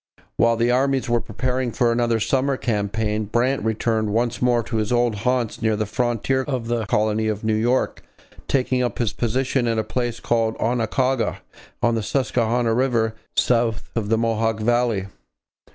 While the armies were preparing for another summer campaign, Brant returned once more to his old haunts near the frontier of the colony of New York, taking up his position at a place called Oquaga on the Susquehanna river, south of the Mohawk valley.